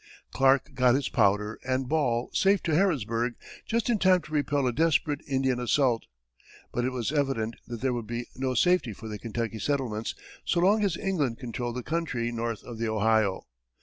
Clark got his powder and ball safe to Harrodsburg just in time to repel a desperate Indian assault; but it was evident that there would be no safety for the Kentucky settlements so long as England controlled the country north of the Ohio.